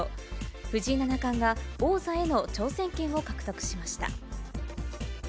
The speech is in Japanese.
藤井七冠が王座への挑戦権を獲得しました。